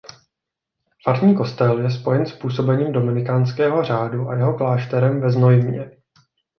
Farní kostel je spojen s působením dominikánského řádu a jeho klášterem ve Znojmě.